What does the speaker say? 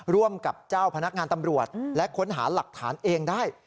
ร่วมกับเจ้าพนักงานตำรวจและค้นหาหลักฐานเองได้